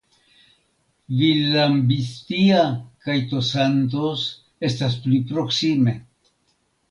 Villambistia kaj Tosantos estas pli proksime.